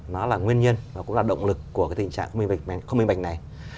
nó là nguyên nhân và cũng là động lực của cái tình trạng không minh bạch này